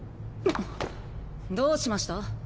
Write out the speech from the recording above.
どうしました？